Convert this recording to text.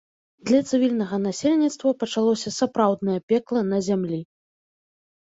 Для цывільнага насельніцтва пачалося сапраўднае пекла на зямлі.